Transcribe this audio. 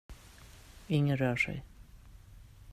Ingen rör sig!